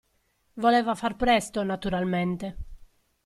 Voleva far presto, naturalmente.